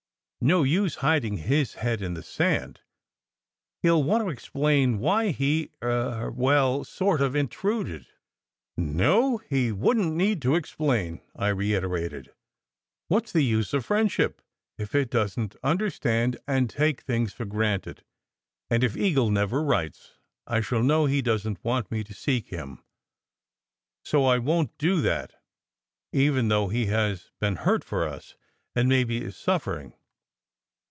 No use hiding his head in the sand ! He ll want to explain why he er well, sort of in truded." "No, he wouldn t need to explain," I reiterated. "What s the use of friendship, if it doesn t understand and take things for granted? And if Eagle never writes, I shall know he doesn t want me to seek him. So I won t do that, even though he has been hurt for us, and maybe is suffering."